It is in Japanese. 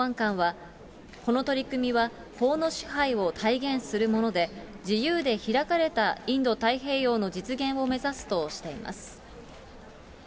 瀬口海上保安監はこの取り組みは法の支配を体現するもので、自由で開かれたインド太平洋の実現を目指すとしています。